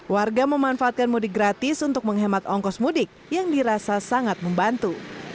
warga memanfaatkan mudik gratis untuk menghemat ongkos mudik yang dirasa sangat membantu